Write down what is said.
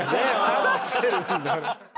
正してるんだ。